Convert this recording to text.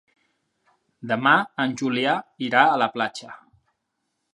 Demà en Julià irà a la platja.